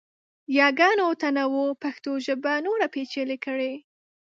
یاګانو تنوع پښتو ژبه نوره پیچلې کړې.